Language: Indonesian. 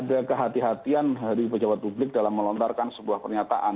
nah karena itulah harus ada kehatian di pejabat publik dalam melontarkan sebuah pernyataan